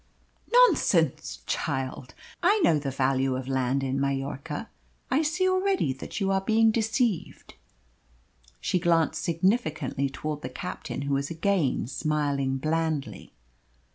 "Nonsense, child! I know the value of land in Mallorca. I see already that you are being deceived." She glanced significantly towards the captain, who was again smiling blandly.